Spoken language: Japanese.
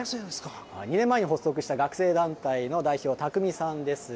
２年前に発足した学生団体の代表、匠さんです。